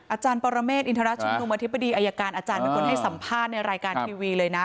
อาจารย์ปรเมฆอินทรชุมนุมอธิบดีอายการอาจารย์เป็นคนให้สัมภาษณ์ในรายการทีวีเลยนะ